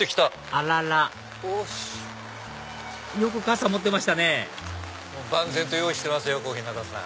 あららよく傘持ってましたね万全と用意してます小日向さん。